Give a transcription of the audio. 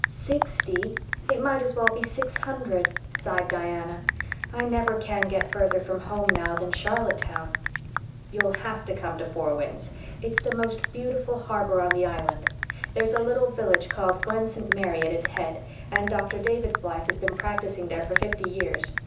"Sixty! It might as well be six hundred," sighed Diana. "I never can get further from home now than Charlottetown." "You'll have to come to Four Winds. It's the most beautiful harbor on the Island. There's a little village called Glen St. Mary at its head, and Dr. David Blythe has been practicing there for fifty years.